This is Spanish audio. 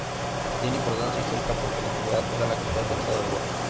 Tiene importancia histórica, porque en la antigüedad era la capital del estado de Goa.